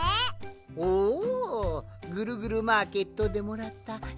おおぐるぐるマーケットでもらったエプロンじゃな。